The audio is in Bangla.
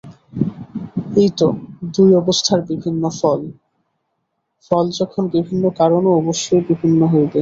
এই তো দুই অবস্থার বিভিন্ন ফল! ফল যখন ভিন্ন কারণও অবশ্যই ভিন্ন হইবে।